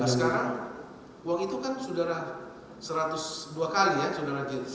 sekarang uang itu kan sudah satu ratus dua kali ya saudara jets